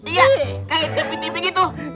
iya kayak tv tv gitu